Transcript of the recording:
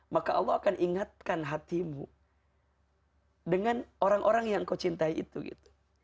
maka allah akan ingatkan hatimu dengan orang orang yang engkau cintai itu gitu